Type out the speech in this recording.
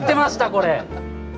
これ。